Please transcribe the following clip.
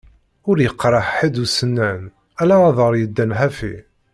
Ur yeqriḥ ḥedd usennan, ala aḍar yeddan ḥafi.